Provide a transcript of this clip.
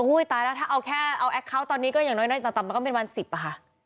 ตายแล้วถ้าเอาแค่เอาแอคเคาน์ตอนนี้ก็อย่างน้อยต่ำมันก็เป็นวัน๑๐อะค่ะ